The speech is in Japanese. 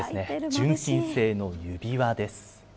純金製の指輪です。